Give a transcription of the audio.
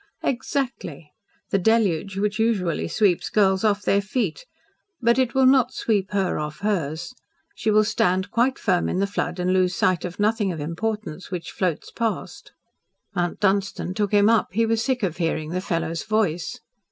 "Exactly. The Deluge which usually sweeps girls off their feet but it will not sweep her off hers. She will stand quite firm in the flood and lose sight of nothing of importance which floats past." Mount Dunstan took him up. He was sick of hearing the fellow's voice.